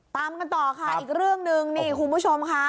ตามกันต่อค่ะอีกเรื่องหนึ่งนี่คุณผู้ชมค่ะ